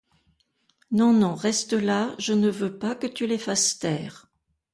Non, non, reste là, je ne veux pas que tu les fasses taire.